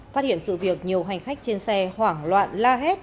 phát hiện sự việc nhiều hành khách trên xe hoảng loạn la hét